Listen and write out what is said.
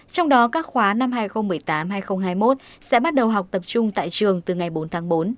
trong đó các khóa năm hai nghìn một mươi tám hai nghìn hai mươi một sẽ bắt đầu học tập trung tại trường từ ngày bốn tháng bốn